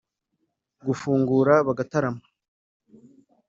gufungura bagatarama.